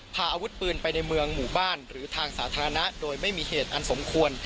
พาอาวุธปืนไปในเมืองหมู่บ้านหรือทางสาธารณะโดยไม่มีเหตุอันสมควร